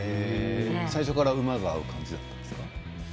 最初から馬が合う感じだったんですか？